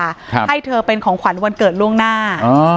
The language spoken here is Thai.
ครับให้เธอเป็นของขวัญวันเกิดล่วงหน้าอ๋อ